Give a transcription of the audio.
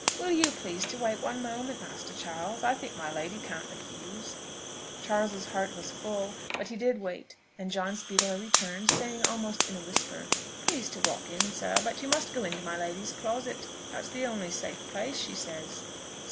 "Will you please to wait one moment, Master Charles? I think my lady can't refuse " Charles's heart was full; but he did wait, and John speedily returned, saying almost in a whisper, "Please to walk in, sir; but you must go into my lady's closet, that's the only safe place, she says."